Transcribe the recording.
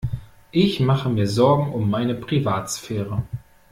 Ich mache mir Sorgen um meine Privatsphäre.